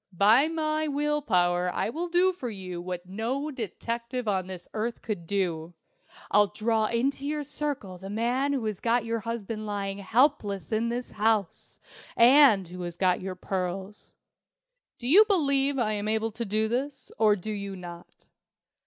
By my will power I will do for you what no detective on this earth could do. I'll draw into your circle the man who has got your husband lying helpless in his house and who has got your pearls. Do you believe I am able to do this, or do you not?"